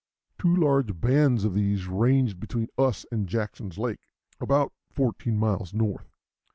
Two large bands of these ranged between us and Jackson's Lake, about fourteen miles north.